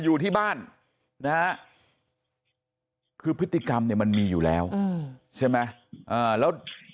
อยู่ที่บ้านนะฮะคือพฤติกรรมเนี่ยมันมีอยู่แล้วใช่ไหมแล้ว